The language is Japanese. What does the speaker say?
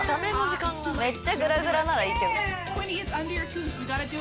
めっちゃグラグラならいいけど。